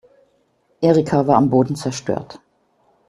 Erika war am Boden zerstört.